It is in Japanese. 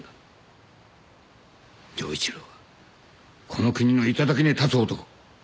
城一郎はこの国の頂に立つ男。